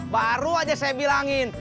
baru aja saya bilangin